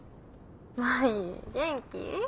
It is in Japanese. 舞元気？